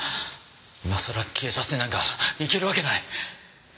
今さら警察になんか行けるわけない。